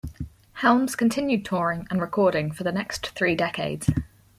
Helms continued touring and recording for the next three decades.